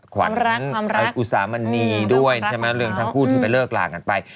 ขวัญอุสามณีด้วยใช่ไหมเรื่องทั้งคู่ที่ไปเลิกหลากันไป